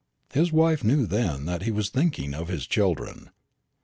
His wife knew then that he was thinking of his children.